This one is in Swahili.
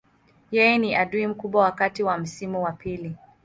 Yeye ni adui mkubwa wakati wa msimu wa pili.